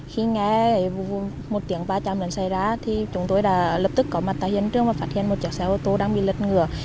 khi nghe một tiếng ba trăm linh lần xảy ra thì chúng tôi đã lập tức có mặt tại hiện trường và phát hiện một chiếc xe ô tô đang bị lật ngừa